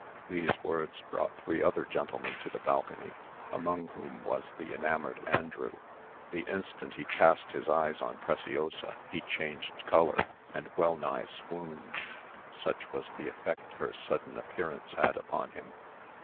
These words brought three other gentlemen to the balcony, among whom was the enamoured Andrew. The instant he cast his eyes on Preciosa he changed colour, and well nigh swooned, such was the effect her sudden appearance had upon him.